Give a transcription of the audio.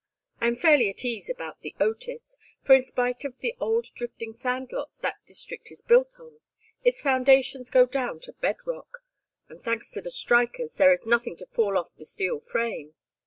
I am fairly at ease about The Otis, for in spite of the old drifting sand lots that district is built on, its foundations go down to bed rock, and thanks to the strikers there is nothing to fall off the steel frame.